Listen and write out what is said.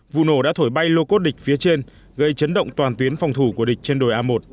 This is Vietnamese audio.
vụ nổ đã thổi bay lô cốt địch phía trên gây chấn động toàn tuyến phòng thủ của địch trên đồi a một